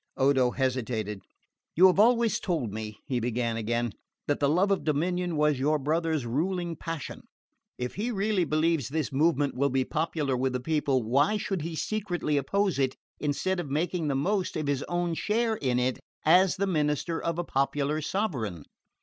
Odo hesitated. "You have always told me," he began again, "that the love of dominion was your brother's ruling passion. If he really believes this movement will be popular with the people, why should he secretly oppose it, instead of making the most of his own share in it as the minister of a popular sovereign?"